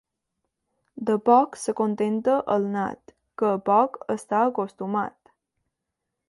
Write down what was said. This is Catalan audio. De poc s'acontenta el nat, que a poc està acostumat.